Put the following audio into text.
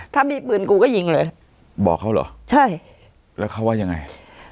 ถ้ามีปืนกูก็ยิงเลยบอกเขาเหรอใช่แล้วเขาว่ายังไง